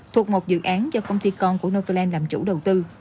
thuộc một dự án do công ty con của novoland làm chủ đầu tư